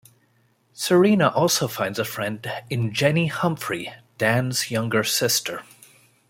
Serena also finds a friend in Jenny Humphrey, Dan's younger sister.